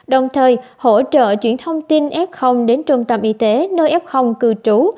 đồng thời hỗ trợ chuyển thông tin f đến trung tâm y tế nơi f cư trú